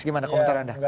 gimana komentar anda